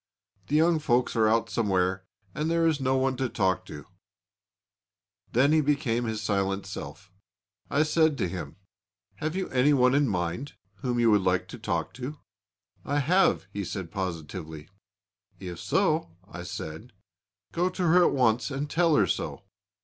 The young folks are out somewhere and there is no one to talk to.' Then he became silent himself. I said to him: 'Have you any one in mind whom you would like to talk to?' 'I have,' he said positively. 'If so,' I said, 'go to her at once and tell her so.'